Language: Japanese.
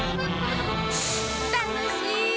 たのしい！